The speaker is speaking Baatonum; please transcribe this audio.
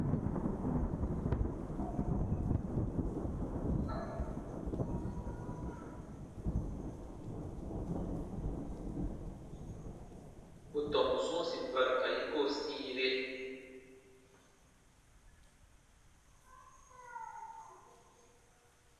Bù tɔmbu sɔ̃ɔsi mɛ̀ ba ra ka yiko sĩire.